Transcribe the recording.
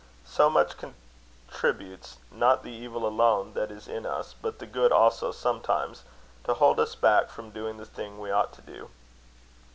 So much contributes, not the evil alone that is in us, but the good also sometimes, to hold us back from doing the thing we ought to do.